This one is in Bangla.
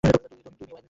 তুমি ওয়েন নও।